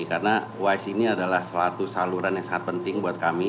karena wise ini adalah salah satu saluran yang sangat penting buat kami